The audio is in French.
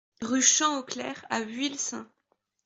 Rue Champ au Clerc à Vuillecin